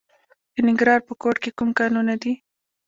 د ننګرهار په کوټ کې کوم کانونه دي؟